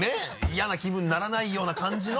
嫌な気分にならないような感じの。